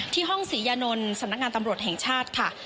ห้องศรียานนท์สำนักงานตำรวจแห่งชาติค่ะ